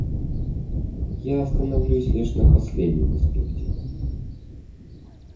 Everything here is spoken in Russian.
Я остановлюсь лишь на последнем аспекте.